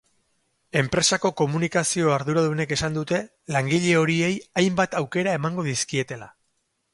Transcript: Enpresako komunikazio arduradunek esan dute langile horiei hainbat aukera emango dizkietela.